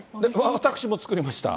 私も作りました。